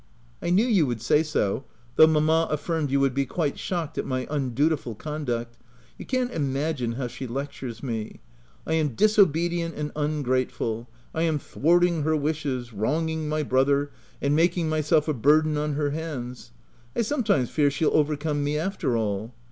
*'" I knew you would say so ; though mamma affirmed you would be quite shocked at my un dutiful conduct — you can't imagine how she lectures me — I am disobedient and ungrateful; I am thwarting her wishes, wronging my brother, and making myself a burden on her hands — I sometimes fear she'll overcome me after all.